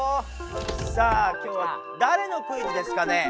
さあ今日はだれのクイズですかね？